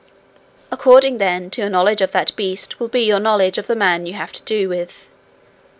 According, then, to your knowledge of that beast will be your knowledge of the man you have to do with.